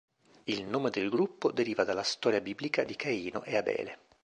Il nome del gruppo deriva dalla storia biblica di Caino e Abele.